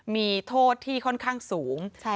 มีโทษที่ค่อนข้างสูง